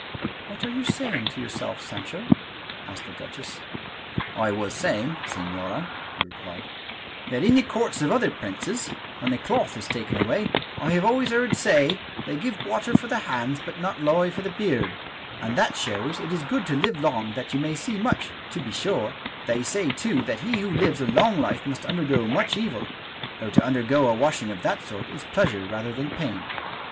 "What are you saying to yourself, Sancho?" asked the duchess. "I was saying, señora," he replied, "that in the courts of other princes, when the cloth is taken away, I have always heard say they give water for the hands, but not lye for the beard; and that shows it is good to live long that you may see much; to be sure, they say too that he who lives a long life must undergo much evil, though to undergo a washing of that sort is pleasure rather than pain."